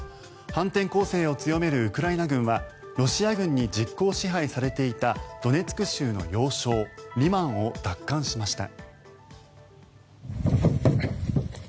反転攻勢を強めるウクライナ軍はロシア軍に実効支配されていたドネツク州の要衝リマンを奪還しました。